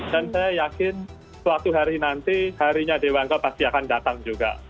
dan saya yakin suatu hari nanti harinya dewangga pasti akan datang juga